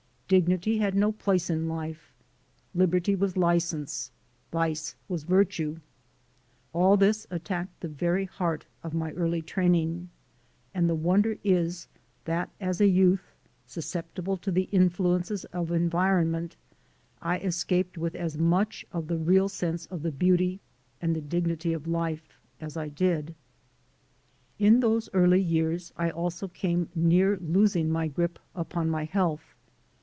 Dignity had no place in life; liberty was license; vice was virtue. All this attacked the very heart of my early training, and the wonder is that as a youth, susceptible to the influences of en vironment, I escaped with as much of the real sense of the beauty and the dignity of life as I did. In those early years I also came near losing my grip upon my health.